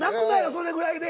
それぐらいで。